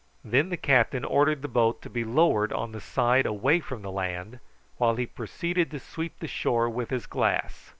Then the captain ordered the boat to be lowered on the side away from the land, while he proceeded to sweep the shore with his glass.